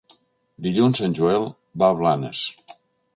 Dilluns en Joel va a Blanes.